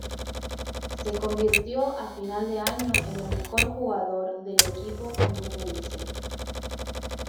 Se convirtió a final de año en el mejor jugador del equipo onubense.